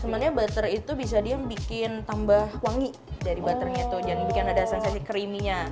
sebenarnya butter itu bisa dia bikin tambah wangi dari butternya tuh jangan bikin ada sensasi creamy nya